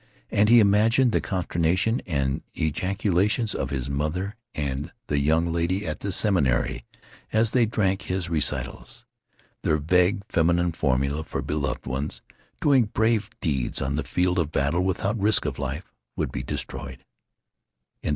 And he imagined the consternation and the ejaculations of his mother and the young lady at the seminary as they drank his recitals. Their vague feminine formula for beloved ones doing brave deeds on the field of battle without risk of life would be destroyed.